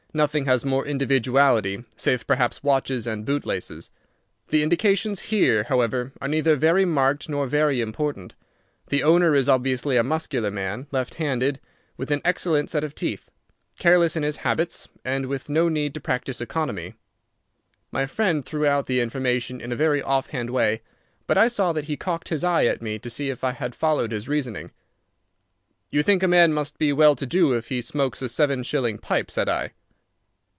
"Nothing has more individuality, save perhaps watches and bootlaces. The indications here, however, are neither very marked nor very important. The owner is obviously a muscular man, left handed, with an excellent set of teeth, careless in his habits, and with no need to practise economy." My friend threw out the information in a very offhand way, but I saw that he cocked his eye at me to see if I had followed his reasoning. "You think a man must be well to do if he smokes a seven shilling pipe," said I.